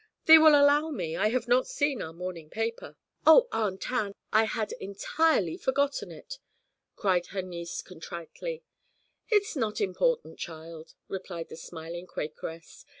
'Thee will allow me I have not seen our morning paper.' 'Oh, Aunt Ann, I had entirely forgotten it!' cried her niece contritely. 'It is not important, child,' replied the smiling Quakeress.